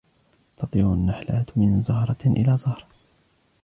تطير النحلات من زهرة إلى زهرة.